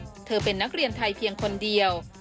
เพราะเธอเป็นนักเรียนไทยเพียงคนเดียว